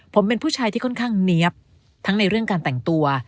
ผมเป็นผู้ชายที่ค่อนข้างเนี๊ยบทั้งในเรื่องการแต่งตัว